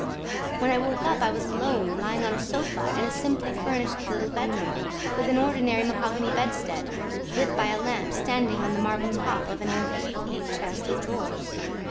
"When I woke up, I was alone, lying on a sofa in a simply furnished little bedroom, with an ordinary mahogany bedstead, lit by a lamp standing on the marble top of an old Louis Philippe chest of drawers.